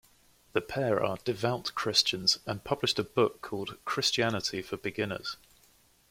The pair are devout Christians and published a book called "Christianity for Beginners".